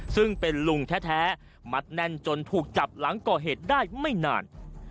ซึ่งเป็นลุงแท้มัดแน่นจนถูกจับหลังก่อเหตุได้ไม่นาน